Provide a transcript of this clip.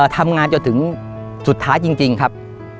ทำงานจนถึงสุดท้ายจริงครับ